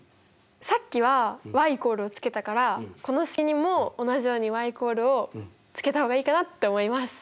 さっきは＝をつけたからこの式にも同じように＝をつけた方がいいかなって思います。